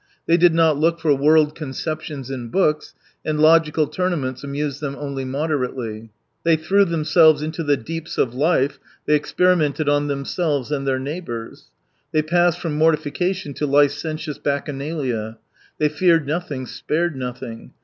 They did not look for world conceptions in books, and logical tournaments amused them only moderately. They threw themselves into the deeps of life, they experimented on themselves and their neighbours. They passed from morti fication to licentious bacchanalia. They feared nothing, spared nothing.